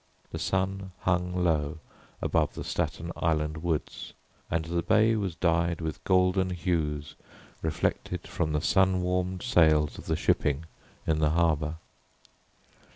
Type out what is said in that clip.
The sun hung low above the Staten Island woods, and the bay was dyed with golden hues reflected from the sun warmed sails of the shipping in the harbour.